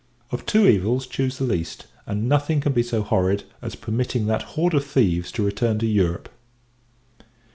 Of two evils, choose the least; and nothing can be so horrid, as permitting that horde of thieves to return to Europe.